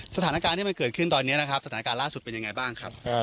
สถานการณ์ที่มันเกิดขึ้นตอนนี้นะครับสถานการณ์ล่าสุดเป็นยังไงบ้างครับ